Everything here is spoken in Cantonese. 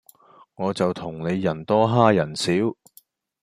我就同你人多哈人少